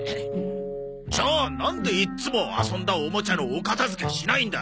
じゃあなんでいっつも遊んだおもちゃのお片付けしないんだ？